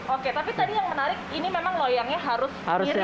oke tapi tadi yang menarik ini memang loyangnya harus mirip